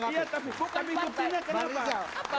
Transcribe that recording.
iya tapi buktinya kenapa